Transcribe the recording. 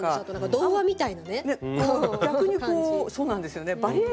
童話みたいなね感じ。